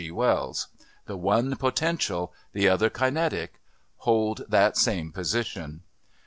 G. Wells, the one potential, the other kinetic, hold that same position.